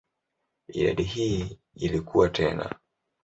Idadi hii ilikua tena.